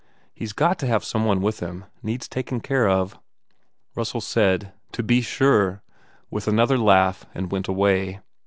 He s got to have some one with him. Needs taking care of " Russell said, "To be sure," with another laugh and went away.